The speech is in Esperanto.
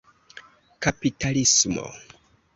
kapitalismo